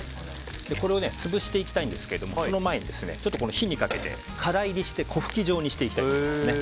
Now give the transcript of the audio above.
これを潰していきたいんですけどその前に火にかけて乾煎りして粉ふき状にしていきます。